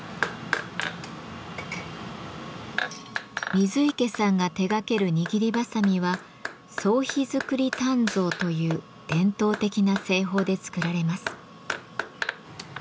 水池さんが手掛ける握りばさみは「総火造り鍛造」という伝統的な製法で作られます。